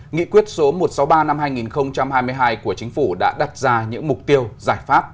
nghị quyết số một trăm sáu mươi ba năm hai nghìn hai mươi hai của chính phủ đã đặt ra những mục tiêu giải pháp